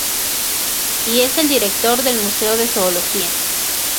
Y es director del "Museo de Zoología".